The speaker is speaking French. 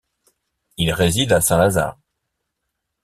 Il réside à Saint-Lazare.